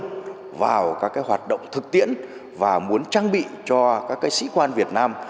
chúng tôi chú trọng hơn vào các hoạt động thực tiễn và muốn trang bị cho các sĩ quan việt nam